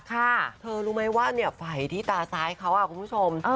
เธอรู้ไหมว่าเนี่ยไฟที่ตาซ้ายเขาอ่ะคุณผู้ชม